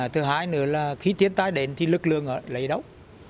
thứ hai nữa là khi thiến tài đến thì lực lượng ở lấy đâu